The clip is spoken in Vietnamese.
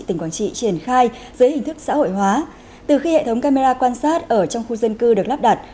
từ khi hệ thống camera quan sát ở trong khu dân cư được lắp đặt